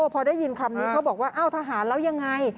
พอได้ยินคำนี้เขาบอกว่าอ้าวทหารแล้วยังไง